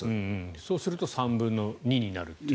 そうすると３分の２になるという。